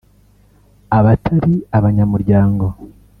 Abatari abanyamuryango